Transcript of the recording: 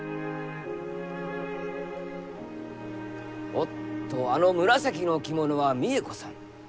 おっとあの紫の着物は実枝子さん。